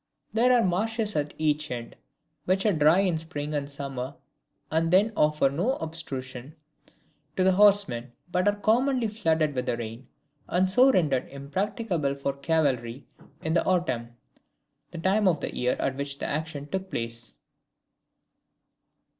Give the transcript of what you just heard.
There are marshes at each end, which are dry in spring and summer, and then offer no obstruction to the horseman, but are commonly flooded with rain, and so rendered impracticable for cavalry, in the autumn, the time of year at which the action took place.